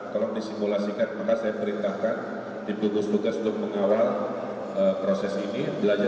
kalau disimulasikan maka saya perintahkan gugus tugas untuk mengawal proses ini